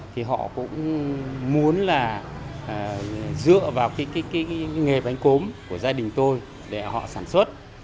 thì họ cũng muốn là dựa vào cái nghề bánh cốm của gia đình tôi để họ sản xuất